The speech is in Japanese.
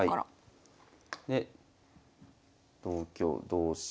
で同香同飛車。